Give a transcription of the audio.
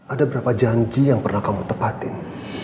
ada berapa janji yang pernah kamu tepatin